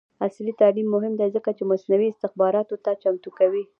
عصري تعلیم مهم دی ځکه چې مصنوعي استخباراتو ته چمتو کوي.